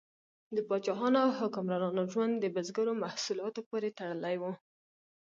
د پاچاهانو او حکمرانانو ژوند د بزګرو محصولاتو پورې تړلی و.